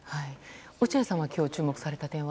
落合さんは今日、注目された点は？